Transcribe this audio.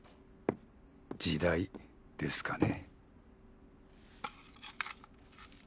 時代ですかね。